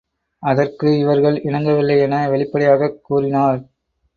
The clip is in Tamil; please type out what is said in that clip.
அதற்கு அவர்கள் இணங்கவில்லை என வெளிப்படையாகக் கூறினார்.